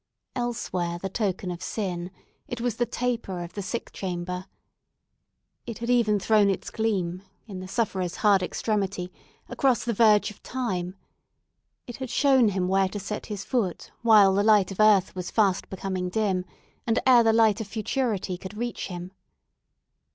Elsewhere the token of sin, it was the taper of the sick chamber. It had even thrown its gleam, in the sufferer's hard extremity, across the verge of time. It had shown him where to set his foot, while the light of earth was fast becoming dim, and ere the light of futurity could reach him.